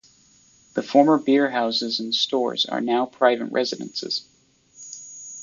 The former beer houses and stores are now private residences.